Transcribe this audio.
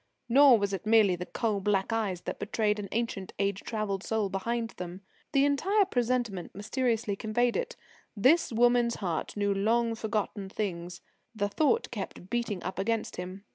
Nor was it merely the coal black eyes that betrayed an ancient, age travelled soul behind them. The entire presentment mysteriously conveyed it. This woman's heart knew long forgotten things the thought kept beating up against him.